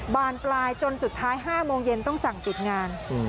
บานปลายจนสุดท้าย๕โมงเย็นต้องสั่งปิดงาน